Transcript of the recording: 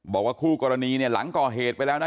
บอกว่าคู่กรณีเนี่ยหลังก่อเหตุไปแล้วนะ